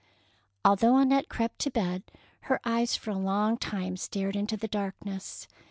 Although Annette crept to bed, her eyes for a long time stared into the darkness.